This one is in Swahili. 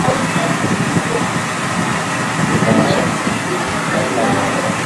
Ndizi inakomea mumashamba ya kambo